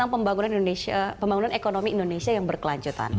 pembangunan ekonomi indonesia yang berkelanjutan